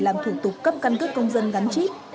làm thủ tục cấp căn cước công dân gắn chip